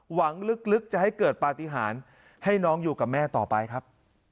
หวังลึกจะให้เกิดปฏิหารให้น้องอยู่กับแม่ต่อไปครับ